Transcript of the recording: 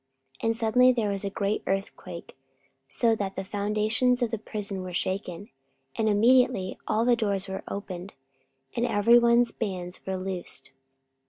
44:016:026 And suddenly there was a great earthquake, so that the foundations of the prison were shaken: and immediately all the doors were opened, and every one's bands were loosed.